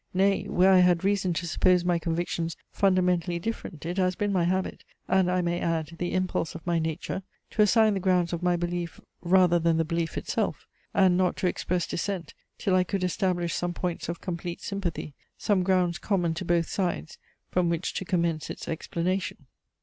Nay, where I had reason to suppose my convictions fundamentally different, it has been my habit, and I may add, the impulse of my nature, to assign the grounds of my belief, rather than the belief itself; and not to express dissent, till I could establish some points of complete sympathy, some grounds common to both sides, from which to commence its explanation.